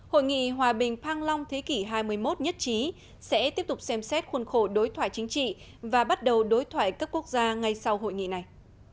hội nghị hòa bình vang long thế kỷ hai mươi một nhất trí sẽ tiếp tục xem xét khuôn khổ đối thoại chính trị và bắt đầu đối thoại cấp quốc gia ngay sau hội nghị này